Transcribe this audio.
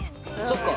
そっか